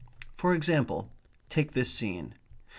For example, take this scene.